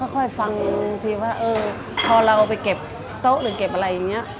ฟังทีว่าเออพอเราไปเก็บโต๊ะหรือเก็บอะไรอย่างนี้